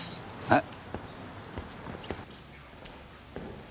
はい。